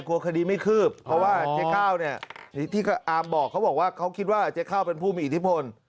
กลัวคดีไม่คืบเพราะว่าเจ๊ข้าวเนี่ยที่อาร์มบอกเขาบอกว่าเขาคิดว่าเจ๊ข้าวเป็นผู้มีอิทธิพล